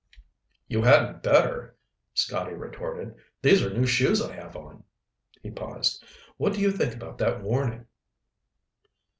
"You hadn't better," Scotty retorted. "These are new shoes I have on." He paused. "What do you think about that warning?"